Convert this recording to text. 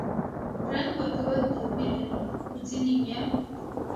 رنګ ورکول توپیر لري – خو ځینې بیا